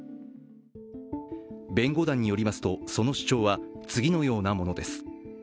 弁護団によりますとその主張は次のようなものです。